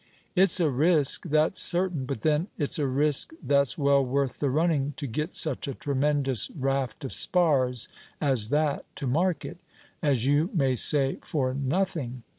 "It's a risk, that's certain; but then it's a risk that's well worth the running, to get such a tremendous raft of spars as that to market, as you may say, for nothing.